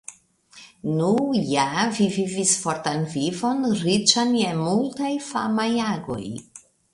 Nu ja, vi vivis fortan vivon, riĉan je multaj famaj agoj.